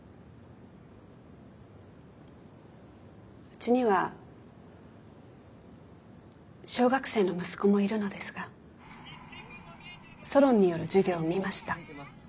うちには小学生の息子もいるのですがソロンによる授業を見ました。